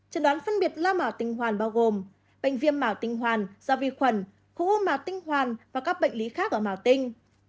trận đoán phân biệt lao màu tinh hoàn bao gồm bệnh viêm màu tinh hoàn do vi khuẩn khu hô màu tinh hoàn và các bệnh lý khác ở màu tinh